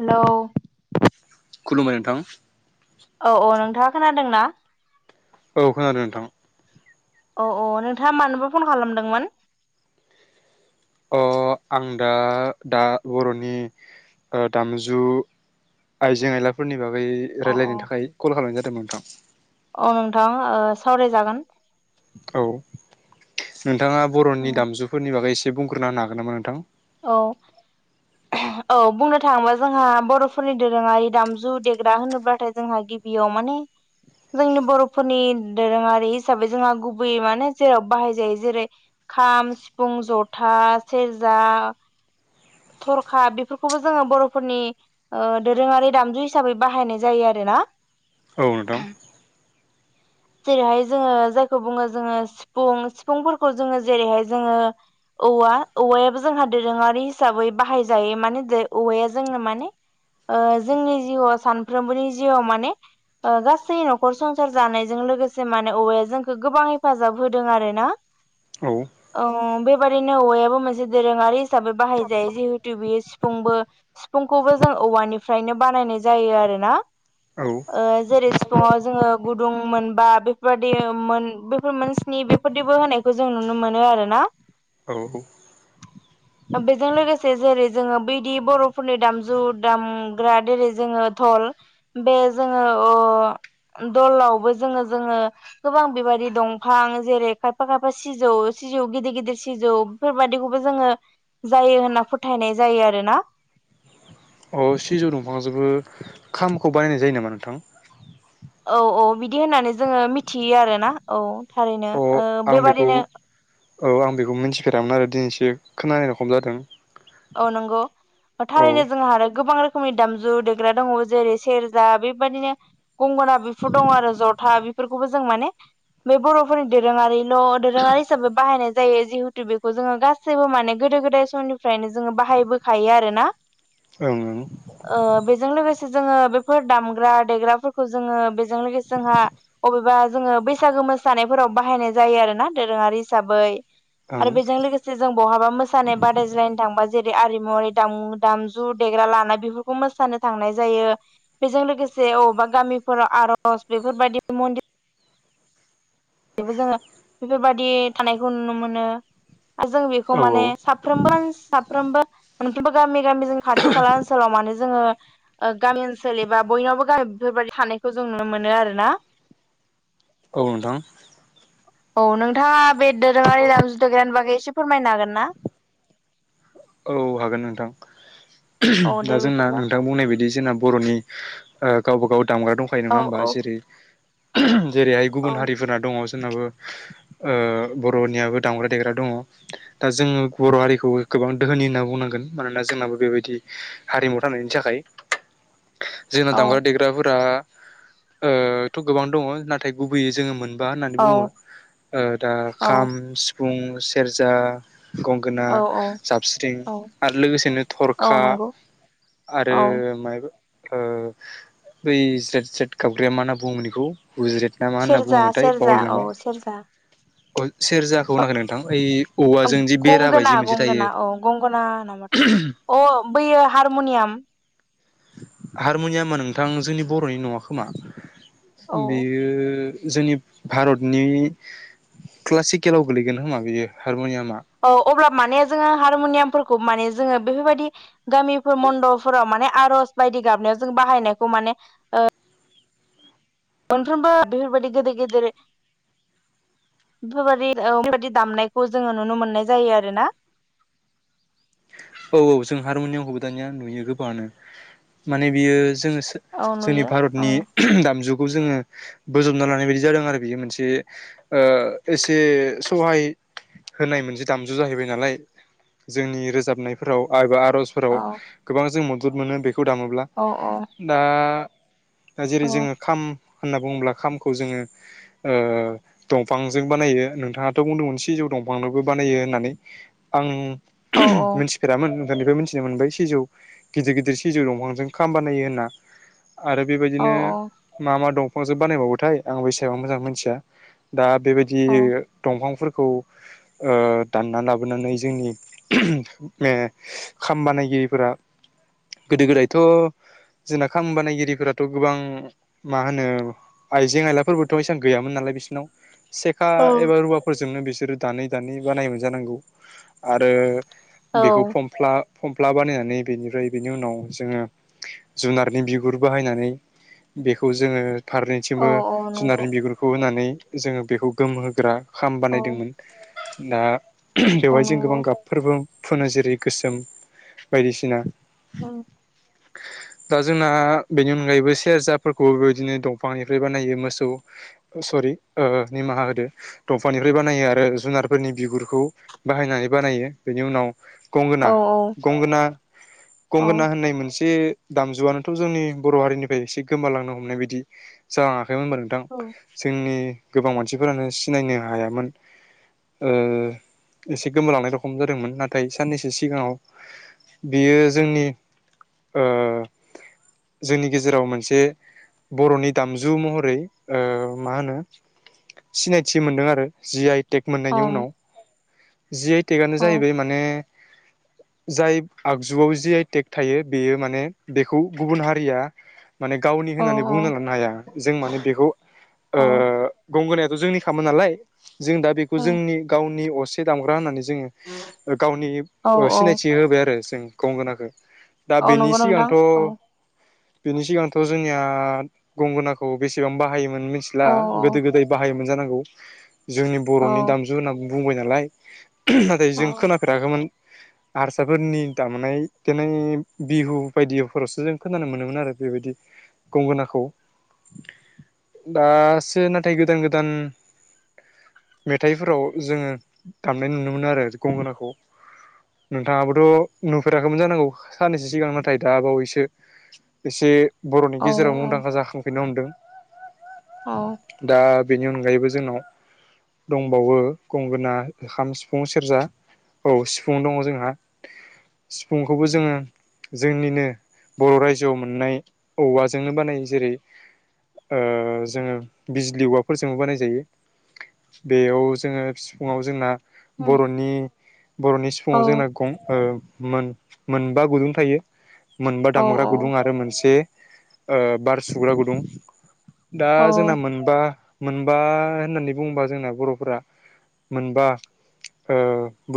Hello खुलुमबाय नोंथां औ औ नोंथाङा खोनादोंना औ खोनादों नोंथां औ औ नोंथाङा मानोबा फन खालामदोंमोन। अ आं दा दा बर'नि ओ दामजु आइजें आइलाफोरनि बागै अ रायलायनो थाखाय कल खालामनाय जादोंमोन नोंथां। अ नोंथां ओ सावरायजागोन। औ नोंथाङा बर'नि उम दामजुफोरनि बागै एसे बुंग्रोना होनो हागोन नामा नोंथां। औ औ बुंनो थाङोबा जोंहा बरफोरनि दोरोङारि दामजु देग्रा होनोब्लाथाय जोंहा गि बियाव माने जोंनि बरफोरनि दोरोङारि हिसाबै जोंहा गुबैयै माने जेराव बाहाय जायो जेरै खाम, सिफुं, जथा, सेरजा थरखा बेफोरखौबो जोङो बरफोरनि ओ दोरोङारि दामजु हिसाबै बाहायनाय जायो आरो ना। औ नोंथां। जेरैहाय जोङो जायखौ बुङो जोङो सिफुं सिफुंफोरखौ जोङो जेरैहाय जोङो औवा औवायाबो जोंहा दोरोङारि हिसाबै बाहायजायो माने दे औवाया जोंनो माने ओ जोंनि जिउआव सानफ्रोमबोनि जिउआव माने गासै नखर संसार जानाय जों लोगोसे माने औवाया जोंखौ गोबां हेफाजाब होदों आरो ना। औ औ बेबादिनो औवायाबो मोनसे दोरोङारि हिसाबै बाहायजायो जिहेतु बेयो सिफुंबो सिफुंखौबो जों औवानिफ्रायनो बानायनाय जायो आरो ना। औ ओ जेरै सिफुंङाव जोङो गुदुं मोनबा बेफोरबादि मोन बेफोर मोन सिनि बेफोरदिबो होनायखौ जों नुनो मोनो आरो ना। औ बेजों लोगोसे जेरै जोङो बैदि बरफोरनि दामजु दामग्रा देरै जोङो दल बे जोङो अ दलावबो जोङो जोङो गोबां बेबायदि दंफां जेरै खायफा खायफा सिजौ सिजौ गिदिर गिदिर सिजौ बेफोरबादिखौबो जोङो जायो होनना फोथायनाय जायो आरो ना। अ सिजौ दंफां जोंबो खामखौ बानायनाय जायो नामा नोंथां? औ औ बिदि होननानै जोङो मिथियो आरो ना औ थारैनो। अ ओ आं बेखौ बेबादिनो औ आं बेखौ मिथिफेरामोन आरो दिनैसो खोनानाय रखम जादों। औ नांगौ। औ थारैनो जोंहा आरो गोबां रोखोमनि दामजु देग्रा दङो जेरै सेरजा बेबादिनो गंगोना बेफोर दङ आरो जथा बेफोरखौबो जों माने बे बर'फोरनि दोरोङारिल' दोरोङारि हिसाबै बाहायनाय जायो जिहेतु जोङो गा सैबो माने गोदो गोदाय समनि फ्रायनो जोङो बाहायबोखायो आरोना ओं ओं ओ बेजों लोगोसे जोङो बेफोर दामग्रा देग्राफोरखौ जोंङो बिजों लोगोसे जोंहा अबेबा जोङो बैसागो मोसानायफोराव बाहायनाय जायो आरो ना दोरोङारि हिसाबै ओं आरो बेजों लोगोसे जों बहाबा मोसानाय बादायज्लाय थांबा जेरै आरिमु आरि दाम दामजु देग्रा लाना बेफोरखौ मोसानो थांनाय जायो। बेजों लोगोसे अबावबा गामिफोराव आर'ज बेफोरबायदि मन्दिर इबो जोङो बेफोरबायादि थानायखौ नुनो मोनो। आजों बेखौ औ माने साफ्रोमबो साफ्रोमबो मोनफ्रोमबो गामि गामि जों खाथि खाला ओनसोलाव माने जोङो ओ गामि ओनसोल एबा बयनावबो थानायखौ जों नुनो मोनो आरो ना। औ नोंथां। औ नोंथाङा बे दोरोङारि दामजु देग्रानि बागै एसे फोरमायनो हागोन ना? औ हागोन नोंथां। औ दा दे जोंना बिदिब्ला नोंथां बुंनाय बायदि जोंना बर'नि ओ गावबागाव दामग्रा दंखायो औ नङा होमबा औ जेरै जेरैहाय औ गुबुन हारिफोरा दङ जोंनाबो ओ बर'नियाबो दामग्रा देग्रा दङ। दा जोङो बर' हारिखौ गोबां दोहोनि होनना बुंनांगोन मानोना जोंनाबो बेबायदि हारिमु थानायनि थाखाय जोंना औ दामग्रा देग्रा फोरा ओ गोबां दङ' नाथाय गुबैयै जोंङो मोन बा होन्नानै औ बुङो ओ दा खाम सिफुं सेरजा गं गोना, औ औ जाबस्रिं औ आरो लोगोसेनो औ थरखा नंगौ आरो औ माइ ओ बै स्रेद स्रेद गाबग्राया मा होनना बुङोमो बेखौ गुज्रेद ना मा होनना सेरजा बुङोथाय सेरजा बावलाय औ लांबाय। सेरजा अ सेरजाखौ होनाखै नोंथां ओइ औवाजों जि गंगोना बेराबायदि मोनसे थायो। गंगोना औ गंगोना नामाथाय अ बैयो हारम'नियाम हारम'नियामा नोंथां जोंनि बर'नि नङा खोमा। औ बेयो जोंनि भारतनि क्लासिकेलाव गोलैगोन खोमा बियो हारम'नियामा। औ अब्ला माने जोङो हारमुनियामफोरखौ माने जोङो बेफोरबायदि गामिफोर मन्दबफोराव माने आर'ज बायदि गाबनायाव जों बाहायनायखौ माने मोनफ्रोमबो बेफोरबायाददि गेदेर गेदेर बेफोरबायदि औ बेफोरबायदि दामनायखौ जोङो नुनो मोननाय जायो आरो ना। औ औ जों हारमनियामखौबो दानिया नुयो गोबाङानो माने बियो जोङो सो औ जोंनि नुयो भारतनि औ [unintelligible] दामजुखौ जोङो बोजबना लानाय बायदि जादों आरो बेयो मोनसे ओ एसे सहाय होनाय मोनसे दामजु जाहैबाय नालाय ‌ जोंनि रोजाबनायफोराव बा एबा आर'जफोराव औ गोबां जों मदद मोनो दामोब्ला। औ औ। दा जेरै जों खाम होनना बुङोब्ला खामखौ जोङो ओ ओ दंफांजै बानायो नोंथांआथ' बुंदोंमोन सिजौ दंफां दो बो बानायो होननानै आं औ [unintelligible] मोनसे फेरामोन एनिफ्राय मिथिनो मोनबाय सिजौ गिदिर गिदिर सिजौ दंफांजों खाम बानायो होन्ना आरो औ बेबायदिनो मा मा दंफांजो बानायबावोथाय आं बैसाबां मोजां मोनथिया दा बेबायदि दंफांफोरखौ ओ दानना लाबोनानै जोंनि [unintelligible] ओ खाम बानायगिरिफोरा गोदो गोदायथ' जोंना खाम बानायगिरिफोराथ' गोबां मा होनो आइजें आयलाफोरबोथ' एसबां गैयामोन नालाय बिसोरनाव सेक खा एबा औ रुवाफोरजोंनो बिसोरो दानै दानै बानायोमोन जानांगौ आरो बेखौ फमफ्ला फमफ्ला बानायनानै बेनिफ्राय बेनि उनाव जोङो जुनारनि बिगुर बाहायनानै बेखौ जोङो औ फारनैथिंबो औ नंगौ जुनारनि बिगुरखौ होनानै जोङो बेखौ गोमहोग्रा खाम औ बानायदोंमोनदा [unintelligible] औ बेवहाय जों नंगौ गोबां गाबफोरबो फुनो जेरैगोसोम बायदिसिना [inaudible] [inaudible] दा जोंना बेनि अनगायैबो सेरजाफोरखौबो बेबायदिनो दंफांनिफ्राय बानायो मोसौ अ सरि ओ निमाहा होदो। दंफांनिफ्राय बानायो आरो जुनारफोरनि बिगुरखौ बाहायनानै बानायो। बेनि उनाव गंगोना औ गंगोना औ गंगोना होननाय मोनसे दामजुआनोथ' जोंनि बर' हारिनिफ्राय एसे गोमालांनो हमनाय बायदि जालाङाखैमोन होनबा नोंथां? औ जोंनि गोबां मानसिफोरानो सिनायनो हायामोन ओ एसे गोमोलांनाय रखम जादोंमोन नाथाय साननैसो सिगाङाव बियो जोंनि ओ जोंनि गेजेराव मोनसे बर'नि दामजु महरै ओ मा होनो सिनायथि मोनदों आरो जि आइ टेक मोननायनि उनाव जि आइ टेकआनो जाहैबाय माने जाय आगजुआव जि आइ टेक थायो बियो माने बिखौ गुबुन हारिया माने गावनि औ होननानै बुंना लानो हाया जों माने बेखौ ओ गंगोनायाथ' जोंनि खामोन नालाय जों दा बेखौ जोंनि गावनि असे दामग्रा होननानै जोङो ओ गावनि ओ औ सिनायथि होबाय आरो जों गंगोनाखो बा औ बेनि नंगौ नोंथां सिगांथ' औ बिनि सिगांथ' जोंनिया गंगोनाखौ बेसेबां बाहायोमोन मिन्थिला औ गोद गोदो गोदाय बाहायोमोन जानांगौ जोंनि बर'नि दामजु होनना बुंबाय नालाय नाथाय जों खोनाफेराखोमोन हारसाफोरनि दामानाय दिनाय बिहु बायदिफोरावसो जों खोनानो मोनोमोन आरो बेबायदि गंगोनाखौ दासो नाथाय गोदान गोदान मेथाइफोराव जोङो दामनाय नुनो मोनो आरो गंगोनाखौ। नोंथाङाबोथ' नुफेराखैमोन जानांगौ साननैसो सिगां नाथाय दा बावैसो एसे बर'नि गेजेराव मुंदांखा जाखांफिननो हमदों। अ दा बिनि अनगायैबो जोंनाव दंबावो गंगोना खाम सिफुं सेरजा औ सिफुं दङ जोंहा सिफुंखौबो जोङो जोंनिनो बर' रायजोआव मोननाय औवाजोंनो बानायो जेरै ओ जोङो बिज्लि औवाफोरजोंबो बानाय जायो। बेयाव जोङो सिफुंआव जोंना बर'नि बर'नि सिफुुंआव जोंना गं ओ मोन मोनबा गुदुं थायो मोनबा औ दामग्रा गुदुं आरो मोनसे ओ बार सुग्रा गुदुं दा औ जोंना मोनबा मोनबा होननानै बुंबा जोंना बर'फोरा मोनबा ओ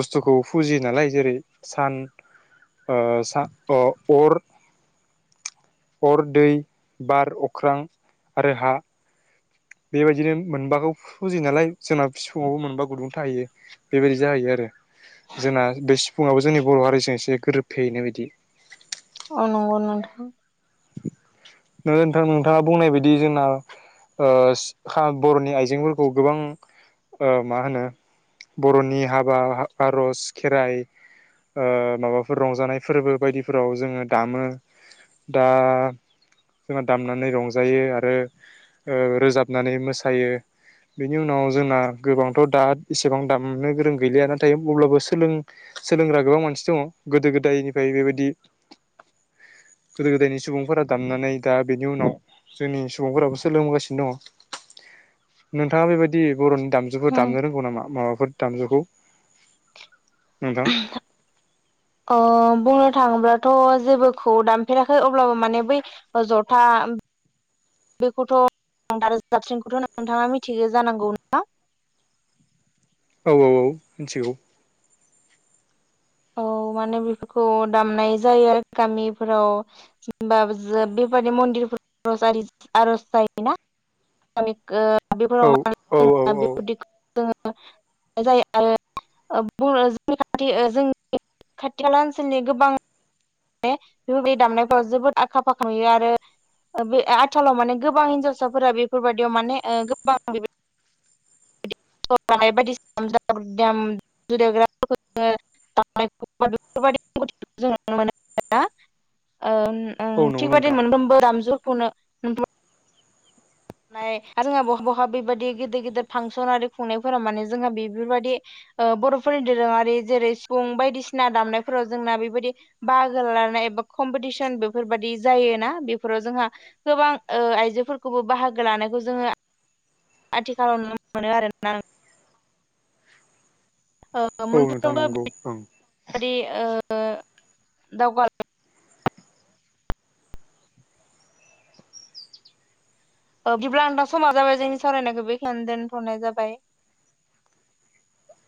बुस्थुखौ फुजियो नालाय जेरै सान ओ सा अ अर अर दै बार अख्रां आरो हा बेबायदिनो मोनबाखौ फुजियो नालाय जोंना सिफुंआवबो मोनबा गुदुं थाहैयो। बेबायदि जाहैयो आरो जोंना बे सिफुङाबो जोंनि बर' हारिजों एसे गोरोब फेहैनाय बायदि औ नंगौ नोंथां। नो नोंथां नोंथाङा बुंनायबायदि जोंना ओ सिखा बर'नि आइजेंफोरखौ गोबां ओ मा होनो बर'नि हाबा आर'ज खेराइ ओ माबाफोर रंजानाय फोरबो बायदिफोराव जोङो दामो। दा जोंहा दामनानै रंजायो आरो ओ रोजाबनानै मोसायो बिनि उनाव जोंना गोबांथ' दा इसेबां दामनो गोरों गैलिया नाथाय अब्लाबो सोलों सोलोंग्रा गोबां मानसि दङ गोदो गोदायनिफाय बेबायदि गोदो गोदायनि सुबुंफोरा दामनानै दा बेनि उनाव जोंनि सुबुंफोराबो सोलोंबोगासिनो दङ नोंथाङा बेबायदि बर'नि दामजुफोर उम दामनो रोंगौ नामा माबाफोर दामजुखौ नोंथां [inaudible] अ बुंनो थाङोब्लाथ' जेबोखौ दानफेराखै अब्लाबो माने बै अ जथा बेखौथ' [unintelligible] रोजाबसिनखौथ' नोंथाङा मिथिगौ जानांगौ नोंथां औ औ औ मिथिगौ औ माने बेफोरखौ दामनाय जायो आरो गामिफोराव जेनेबा फुजा बेबि मन्दिरफोर [unintelligible] जायोना औ औ औ औ [unintelligible] [unintelligible] खाथि खाला ओनसोलनि गोबां बे बे दामनायफ्राव जोबोद आखा फाखा नुयो आरो ओ बे आथालाव माने गोबां हिन्जावसाफोरा बेफोरबायदियाव माने ओ गोबां बेबा [unintelligible] [unintelligible] ओ उम औ नंगौ थिग बादि नोंथां मोनफ्रोमबो दामजुखौनो फ्राय आरो जोंहा बहा बहा बेबायदि गिदिर गिदिर फांसन आरो खुंनायफोरा माने जोंहा बेफोरबायदि बर'फोरनि दोरोङारि जेरै सिफुं बायदिसिना दामनायफोराव जोंना बेबायदि बाहागो लानाय एबा कम्पिटिसन बेफोरबायाददि जायोना बेफोराव जोंहा गोबां ओ आइजोफोरखौबो बाहागो लानायखौ जोङो। आथिखालाव नुनो मोनो आरो ना औ नोंथां नंगौ ओं [unintelligible] बिदिब्ला नोंथां समा जाबाय जोंनि सावरायनायखौ बेखौनो दोनथ'नाय जाबाय।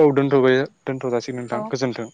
औ दोनथ'बाय दोनथ' जासिगोन नोंथां औ गोजोन्थों